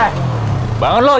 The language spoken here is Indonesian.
osedisi pendantrean